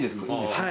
はい。